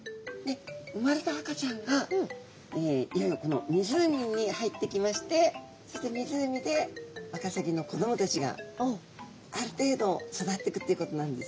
生まれた赤ちゃんがいよいよこの湖に入ってきましてそして湖でワカサギの子どもたちがある程度育ってくっていうことなんです。